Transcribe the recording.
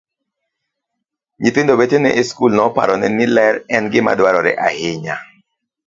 Nyithindo wetene e skul noparone ni ler en gima dwarore ahinya.